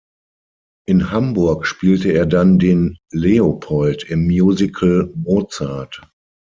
In Hamburg spielte er dann den "Leopold" im Musical „Mozart“.